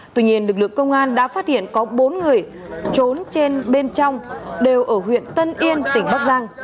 tuy nhiên lực lượng công an đã phát hiện có bốn người trốn trên bên trong đều ở huyện tân yên tỉnh bắc giang